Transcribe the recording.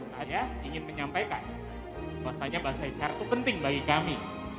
saya ingin menyampaikan bahasanya bahasa icara itu penting bagi kami